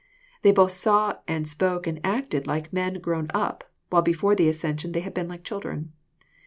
They botinraw, and spok£,.flnd acted like men grown up ; while before the ascension they had been like children.